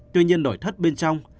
tuy nhiên nổi thất bên trong